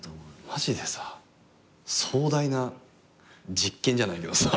マジでさ壮大な実験じゃないけどさ。